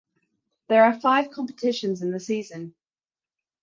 There are five competitions in the season.